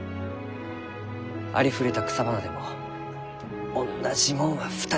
ありふれた草花でもおんなじもんは２つとない。